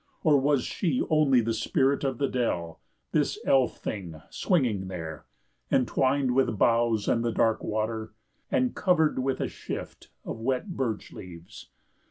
Or was she only the spirit of the dell, this elf thing swinging there, entwined with boughs and the dark water, and covered with a shift of wet birch leaves.